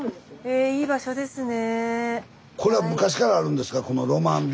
えいい場所ですね。